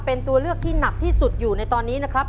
เป็นตัวเลือกที่หนักที่สุดอยู่ในตอนนี้นะครับ